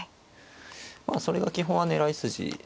まあそれが基本は狙い筋ですかね。